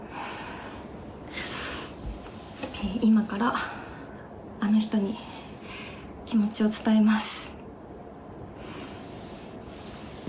今からあの人に気持ちを伝えます。